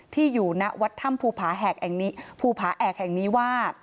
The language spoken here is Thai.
ที่อยู่นวัดถ้ำภูภาแห่งนี้ภูภาแอ้กแห่งนี้ว่า